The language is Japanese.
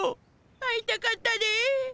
会いたかったで。